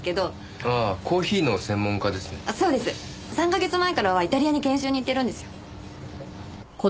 ３か月前からはイタリアに研修に行ってるんですよ。